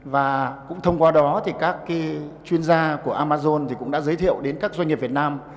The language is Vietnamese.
và cũng thông qua đó thì các chuyên gia của amazon cũng đã giới thiệu đến các doanh nghiệp việt nam